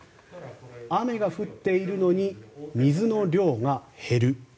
雨が降っているのに水の量が減る。